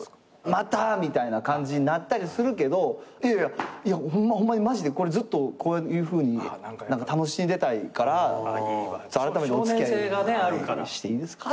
「また」みたいな感じになったりするけど「いやいやホンマにマジでずっとこういうふうに楽しんでたいからあらためてお付き合いしていいですか？」